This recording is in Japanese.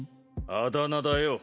あだ名だよ。